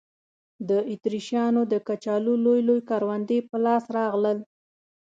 د اتریشیانو د کچالو لوی لوی کروندې په لاس راغلل.